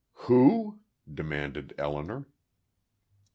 "Who?" demanded Elinor.